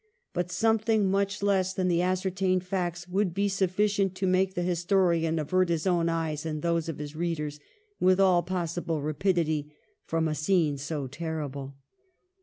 But something much less than the ascertained facts would be sufficient to make the historian avert his own eyes and those of his readers with all possible rapidity from a scene so terrible.